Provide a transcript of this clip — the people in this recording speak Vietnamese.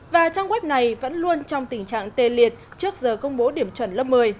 và trang web này vẫn luôn trong tình trạng tê liệt trước giờ công bố điểm chuẩn lớp một mươi